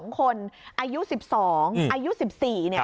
๒คนอายุ๑๒อายุ๑๔เนี่ย